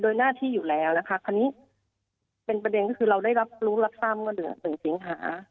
โดยหน้าที่อยู่แล้วคันนี้เป็นประเด็นที่คือเราได้รับรู้รับซ่อนได้ถึงสิงหา